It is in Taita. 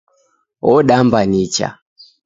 Odamba nicha